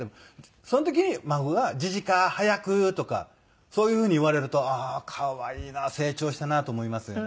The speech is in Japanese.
その時に孫が「ジジカ早く」とかそういうふうに言われるとああー可愛いな成長したなと思いますよね。